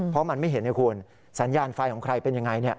เพราะมันไม่เห็นไงคุณสัญญาณไฟของใครเป็นยังไง